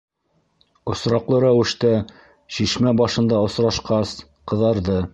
Осраҡлы рәүештә шишмә башында осрашҡас, ҡыҙарҙы.